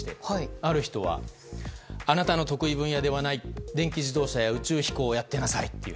ある人はあなたの得意分野ではない電気自動車や宇宙飛行をやってなさい。